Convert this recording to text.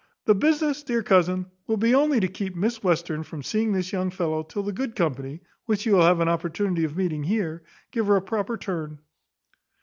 The business, dear cousin, will be only to keep Miss Western from seeing this young fellow, till the good company, which she will have an opportunity of meeting here, give her a properer turn."